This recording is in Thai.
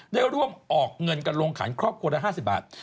ได้ร่วมออกเงินกันลงขันครอบครัวละ๕๐บาท